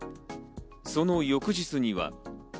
その翌日には。